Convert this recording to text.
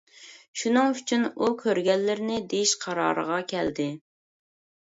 شۇنىڭ ئۈچۈن ئۇ كۆرگەنلىرىنى دېيىش قارارىغا كەلدى.